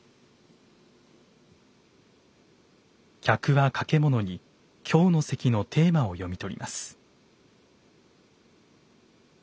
客は掛物に今日の席のテーマを読み取ります。